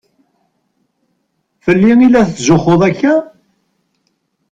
Fell-i i la tetzuxxuḍ akka?